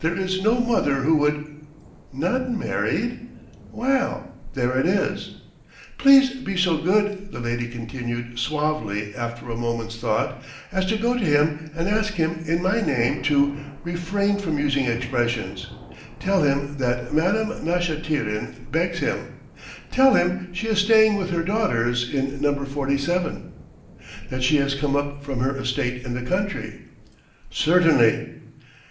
There is no mother who would. ... Not married? Well ... there it is. ... Please be so good," the lady continued suavely after a moment's thought, "as to go to him and ask him in my name to ... refrain from using expressions. ... Tell him that Madame Nashatyrin begs him. ... Tell him she is staying with her daughters in No. 47 ... that she has come up from her estate in the country. ..." "Certainly."